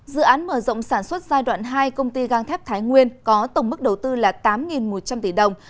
dự án mở rộng sản xuất giai đoạn hai công ty găng thép thái nguyên có tổng mức đầu tư là tám một trăm linh tỷ đồng